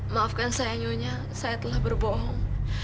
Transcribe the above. maafkan saya nyonya saya telah berbohong